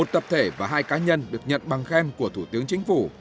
một tập thể và hai cá nhân được nhận bằng khen của thủ tướng chính phủ